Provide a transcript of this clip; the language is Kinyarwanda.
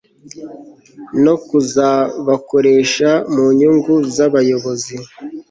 no kuzabakoresha mu nyungu z'abayobozi